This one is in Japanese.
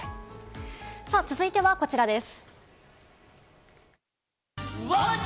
続いてはこちらです。